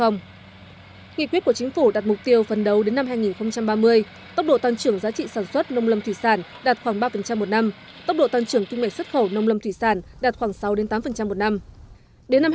nghị quyết của chính phủ đặt mục tiêu phần đầu đến năm hai nghìn ba mươi tốc độ tăng trưởng giá trị sản xuất nông lâm thủy sản đạt khoảng ba một năm tốc độ tăng trưởng kinh mệnh xuất khẩu nông lâm thủy sản đạt khoảng sáu tám một năm